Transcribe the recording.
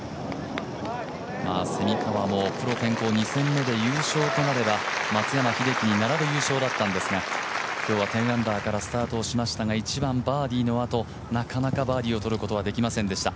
蝉川もプロ転向２戦目で優勝となれば、松山英樹に並ぶ優勝だったんですが今日は１０アンダーからスタートしましたが１番バーディーのあとなかなかバーディーをとることはできませんでした。